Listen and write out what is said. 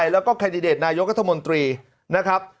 แล้วก็แคนดิเดตนายกรัฐมนตรีนะครับ